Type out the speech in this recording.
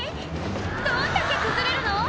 どんだけ崩れるの？